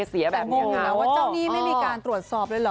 แต่งงอยู่นะว่าเจ้าหนี้ไม่มีการตรวจสอบเลยเหรอ